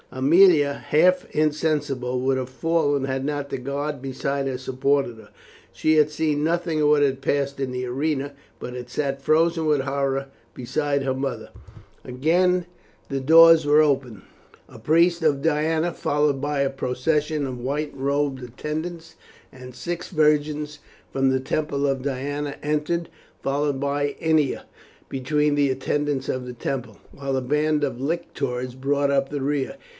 Aemilia, half insensible, would have fallen had not the guard beside her supported her. She had seen nothing of what had passed in the arena, but had sat frozen with horror beside her mother. Again the doors opened, a priest of Diana, followed by a procession of white robed attendants, and six virgins from the temple of Diana, entered, followed by Ennia between the attendants of the temple, while a band of lictors brought up the rear.